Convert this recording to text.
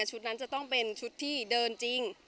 ชุดนั้นจะต้องเป็นชุดที่เดินจริง